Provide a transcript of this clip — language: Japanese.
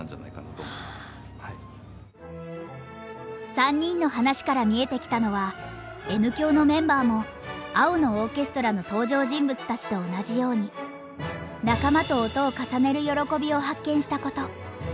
３人の話から見えてきたのはＮ響のメンバーも「青のオーケストラ」の登場人物たちと同じように仲間と音を重ねる喜びを発見したこと。